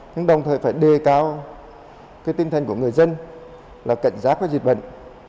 nhưng đồng thời phải đề cao tinh thần của người dân là cạnh giác với dịch bệnh